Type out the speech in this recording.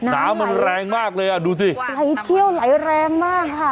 น้ำมันแรงมากเลยอ่ะดูสิไหลเชี่ยวไหลแรงมากค่ะ